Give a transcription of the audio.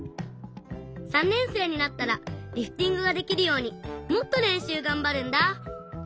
３年生になったらリフティングができるようにもっとれんしゅうがんばるんだ！